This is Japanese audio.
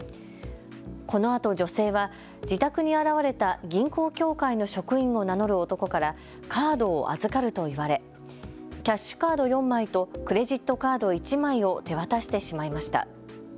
このあと女性は自宅に現れた銀行協会の職員を名乗る男からカードを預かると言われキャッシュカード４枚とクレジットカード１枚を手渡してしまいました。